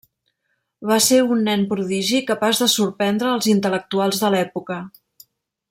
Va ser un nen prodigi capaç de sorprendre els intel·lectuals de l'època.